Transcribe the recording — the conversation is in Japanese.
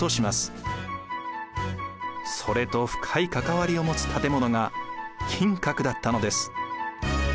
それと深い関わりを持つ建物が金閣だったのです。